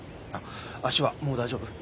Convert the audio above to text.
足はもう大丈夫？